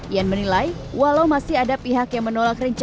ian menilai walau masih ada pihak yang menolak rencana